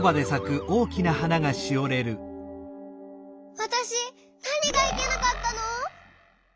わたしなにがいけなかったの！？